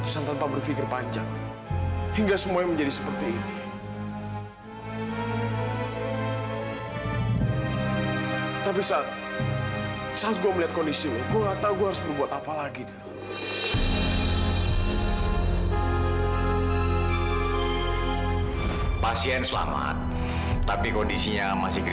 sampai jumpa di video selanjutnya